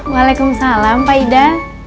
waalaikumsalam pak ida